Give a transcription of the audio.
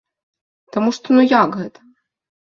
Таму што ну як гэта?